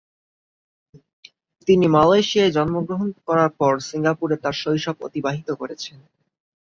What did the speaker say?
তিনি মালয়েশিয়ায় জন্মগ্রহণ করার পর, সিঙ্গাপুরে তার শৈশব অতিবাহিত করেছেন।